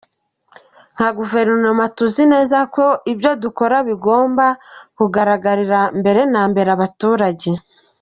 Nka guverinoma tuzi neza ko ibyo dukora bigomba kugaragarira mbere na mbere abaturage.